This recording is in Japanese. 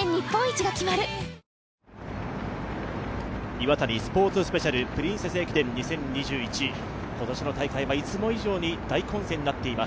Ｉｗａｔａｎｉスポーツスペシャルプリンセス駅伝２０２１、今年の大会はいつも以上に大混戦になっています。